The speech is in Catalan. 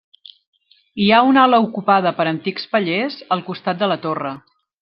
Hi ha una ala ocupada per antics pallers al costat de la torre.